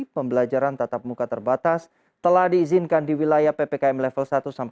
pembelajaran tatap muka terbatas telah diizinkan di wilayah ppkm level satu